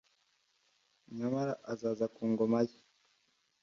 nyamara azaza ku ngoma ye,